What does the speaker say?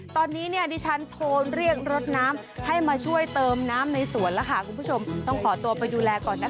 ตอนนี้เนี่ยดิฉันโทรเรียกรถน้ำให้มาช่วยเติมน้ำในสวนแล้วค่ะคุณผู้ชมต้องขอตัวไปดูแลก่อนนะคะ